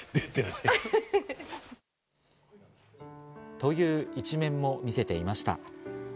という一面も見せていました。